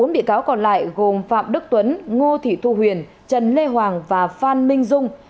bốn bị cáo còn lại gồm phạm đức tuấn ngô thị thu huyền trần lê hoàng và phan minh dung